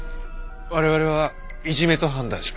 我々はいじめと判断しました。